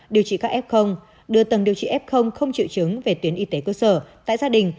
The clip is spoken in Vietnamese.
điều trị các f đưa tầng điều trị f không triệu chứng về tuyến y tế cơ sở tại gia đình